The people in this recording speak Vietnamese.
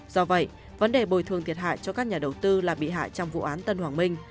do vậy vấn đề bồi thường thiệt hại cho các nhà đầu tư là bị hại trong vụ án tân hoàng minh